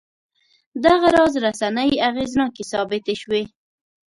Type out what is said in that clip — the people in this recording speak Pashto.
دغه راز رسنۍ اغېزناکې ثابتې شوې.